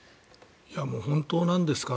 本当なんですか？